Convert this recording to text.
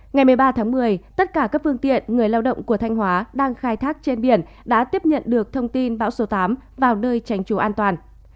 ngày một mươi ba tháng một mươi tất cả các phương tiện người lao động của thanh hóa đang khai thác trên biển đã tiếp nhận được thông tin bão số tám vào nơi tránh trú an toàn